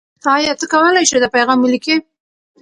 آیا ته کولای شې دا پیغام ولیکې؟